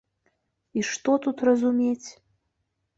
І што тут разумець?